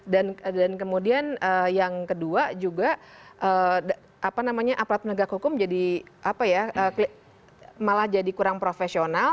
dan kemudian yang kedua juga apa namanya aplat penegak hukum jadi apa ya malah jadi kurang profesional